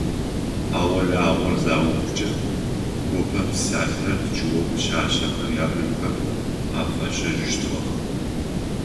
Хьагъо-лагъор заухкӏэ, гопэ псалъэр дыкӏыгъоу пшъашъэхэр ябынхэм афащэжьыщтыгъэх.